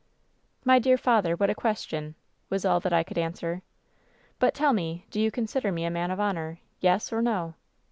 " 'My dear father, what a question !' was all that I could answer. " 'But tell me, do you consider me a man of honor ? Yes, or no